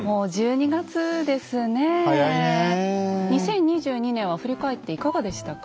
２０２２年は振り返っていかがでしたか？